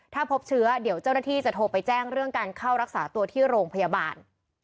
ถ้าพบเชื้อเดี๋ยวเจ้าหน้าที่จะโทรไปแจ้งเรื่องการเข้ารักษาตัวที่โรงพยาบาล